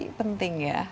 itu penting ya